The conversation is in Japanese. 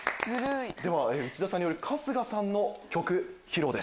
では内田さんによる春日さんの曲披露です。